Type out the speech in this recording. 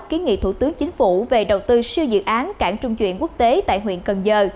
ký nghị thủ tướng chính phủ về đầu tư siêu dự án cảng trung chuyển quốc tế tại huyện cần giờ